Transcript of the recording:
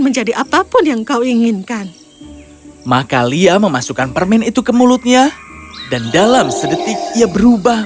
menjadi apapun yang kau inginkan maka lia memasukkan permen itu ke mulutnya dan dalam sedetik ia berubah